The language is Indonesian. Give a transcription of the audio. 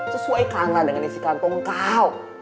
sesuai kala dengan isi kantong kau